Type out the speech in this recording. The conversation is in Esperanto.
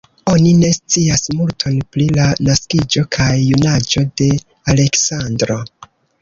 Oni ne scias multon pri la naskiĝo kaj junaĝo de Aleksandro.